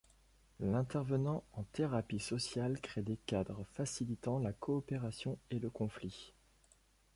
L'intervenant en thérapie sociale crée des cadres facilitant la coopération et le conflit.